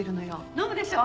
飲むでしょ？